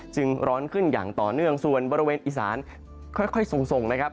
ร้อนขึ้นอย่างต่อเนื่องส่วนบริเวณอีสานค่อยส่งนะครับ